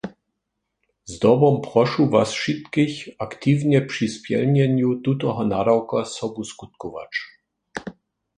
Zdobom prošu Was wšitkich, aktiwnje při spjelnjenju tutoho nadawka sobuskutkować!